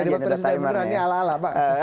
kayak debat presiden berani ala ala